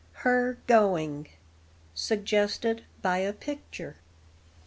HER GOING. SUGGESTED BY A PICTURE.